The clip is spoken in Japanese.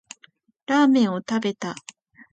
ラーメンを食べた